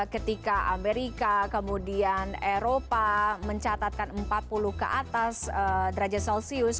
ketika amerika kemudian eropa mencatatkan empat puluh ke atas derajat celcius